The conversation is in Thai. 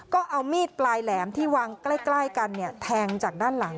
ก็เอามีดปลายแหลมที่วางใกล้กันแทงจากด้านหลัง